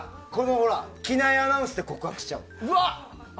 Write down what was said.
機内アナウンスで告白しちゃう。